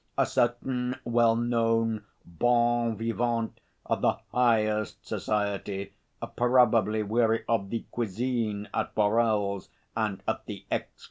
A certain well known bon vivant of the highest society, probably weary of the cuisine at Borel's and at the X.